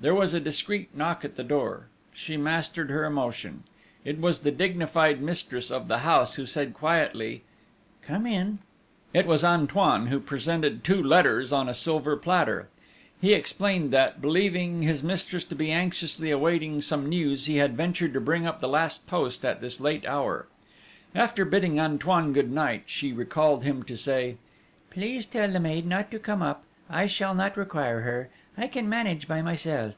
There was a discreet knock at the door. She mastered her emotion. It was the dignified mistress of the house who said quietly: "Come in!" It was Antoine, who presented two letters on a silver salver. He explained that, believing his mistress to be anxiously awaiting some news, he had ventured to bring up the last post at this late hour. After bidding Antoine good night, she recalled him to say: "Please tell the maid not to come up. I shall not require her. I can manage by myself."